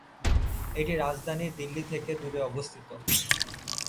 এটি রাজধানী দিল্লি থেকে দূরে অবস্থিত।